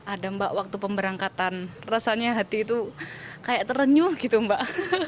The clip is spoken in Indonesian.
ada mbak waktu pemberangkatan rasanya hati itu kayak terenyuh gitu mbak